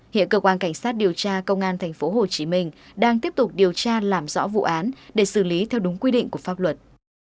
hiện cơ quan cảnh sát điều tra công an tp hcm đang tiếp tục điều tra làm rõ vụ án để xử lý theo đúng quy định của pháp luật